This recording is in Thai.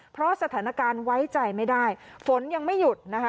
เพราะสถานการณ์ไว้ใจไม่ได้ฝนยังไม่หยุดนะคะ